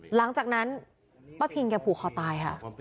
หลังจากนั้นป้าพิงแกผูกคอตายค่ะ